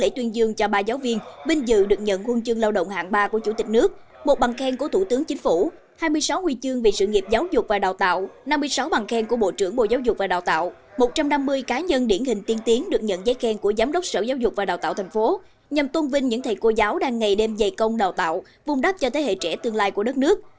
hội nghị tuyên dương cho ba giáo viên binh dự được nhận huân chương lao động hạng ba của chủ tịch nước một bằng khen của thủ tướng chính phủ hai mươi sáu huy chương về sự nghiệp giáo dục và đào tạo năm mươi sáu bằng khen của bộ trưởng bộ giáo dục và đào tạo một trăm năm mươi cá nhân điển hình tiên tiến được nhận giấy khen của giám đốc sở giáo dục và đào tạo thành phố nhằm tôn vinh những thầy cô giáo đang ngày đêm dày công đào tạo vùng đắp cho thế hệ trẻ tương lai của đất nước